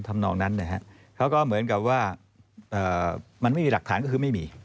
ทำนองนั้นนะฮะเขาก็เหมือนกับว่ามันไม่มีหลักฐานก็คือไม่มี